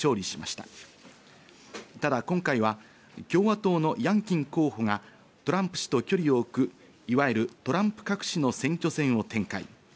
ただ今回は共和党のヤンキン候補がトランプ氏と距離を置く、いわゆるトランプ隠しの選挙戦を展開。